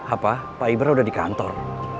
apa pak ibrah udah di kantor